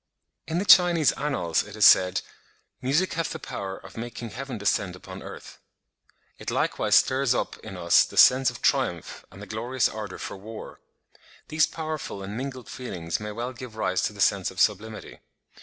In the Chinese annals it is said, "Music hath the power of making heaven descend upon earth." It likewise stirs up in us the sense of triumph and the glorious ardour for war. These powerful and mingled feelings may well give rise to the sense of sublimity.